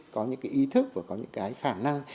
có những cái ý thức và có những cái khả năng